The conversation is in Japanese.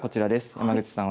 山口さん